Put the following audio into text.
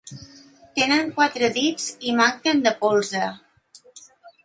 Tenen quatre dits i manquen de polze.